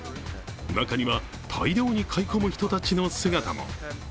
中には大量に買い込む人たちの姿も。